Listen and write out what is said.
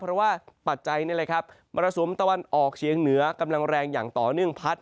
เพราะว่าปัจจัยนี่แหละครับมรสุมตะวันออกเฉียงเหนือกำลังแรงอย่างต่อเนื่องพัด